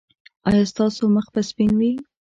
ایا ستاسو مخ به سپین وي؟